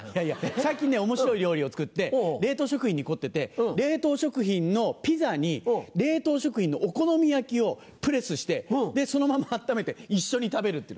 最近面白い料理を作って冷凍食品に凝ってて冷凍食品のピザに冷凍食品のお好み焼きをプレスしてそのまま温めて一緒に食べるっての。